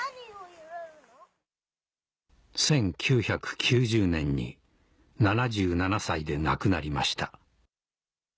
１９９０年に７７歳で亡くなりました